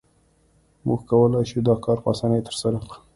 موږ کولای شو دا کار په اسانۍ ترسره کړو